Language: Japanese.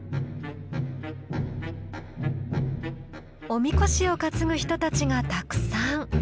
おみこしを担ぐ人たちがたくさん。